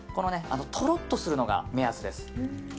とろっとするのが目安です。